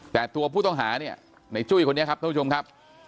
แต่ตัวผู้ต้องหาเนี่ยในจุ้ยคนนี้ครับท่านผู้ชมครับ